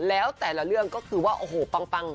แล้วแต่ละเรื่องก็คือว่าโอ้โหปัง